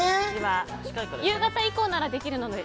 夕方以降ならできるので。